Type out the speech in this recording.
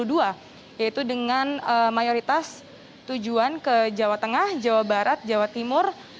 yaitu dengan mayoritas tujuan ke jawa tengah jawa barat jawa timur